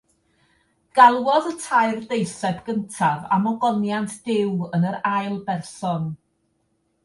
Galwodd y tair deiseb gyntaf am ogoniant Duw yn yr ail berson.